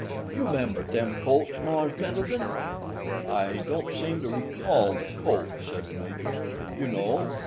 You 'member dem colts, Mars' Pendleton?" "I don't seem to recall the colts," said the Major. "You know.